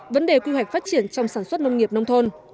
vấn đề quy hoạch phát triển trong sản xuất nông nghiệp nông thôn